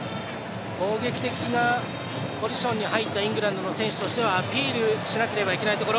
攻撃的なポジションに入ったイングランドの選手としてはアピールしなければいけないところ。